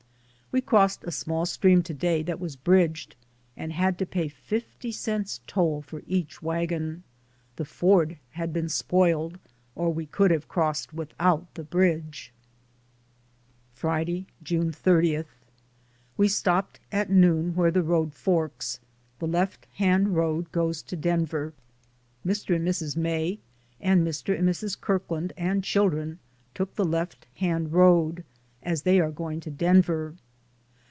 We crossed a small stream to day that was bridged and had to ii8 DAYS ON THE ROAD. pay fifty cents toll for each wagon ; the ford had been spoiled, or we could have crossed without the bridge. Friday, June 30. We stopped at noon where the road forks, the left hand road goes to Denver. Mr. and Mrs. May, and Mr. and Mrs. Kirkland and children took the left hand road, as they are going to Denver.